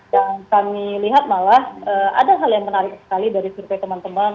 yang kami lihat malah ada hal yang menarik sekali dari survei teman teman